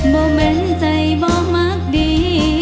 บ่เหมือนใจบ่มากดี